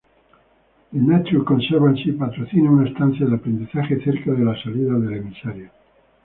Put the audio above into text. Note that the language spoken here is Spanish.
The Nature Conservancy patrocina una estación de aprendizaje cerca de la salida del emisario.